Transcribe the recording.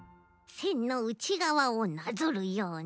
せんのうちがわをなぞるように。